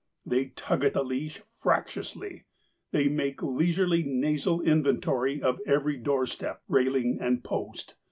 They tug at the leash fractiously, they make leisurely nasal inventory of every door step, railing, and post.